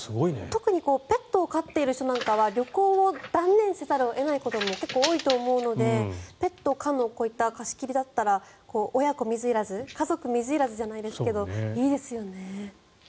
特にペットを飼っている人なんかは旅行を断念せざるを得ないことも結構多いと思うのでペット可のこういう貸し切りだったら親子水入らず家族水入らずじゃないですけどいいですよね。